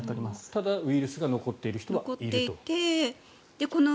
ただ、ウイルスが残っている人はいるという。